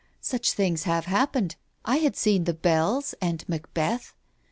. Such things have happened — I had seen The Bells and Mac beth.